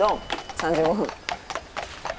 ３５分。